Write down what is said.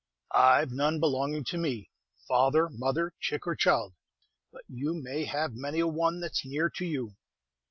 I 've none belongin' to me, father, mother, chick or child; but you may have many a one that's near to you."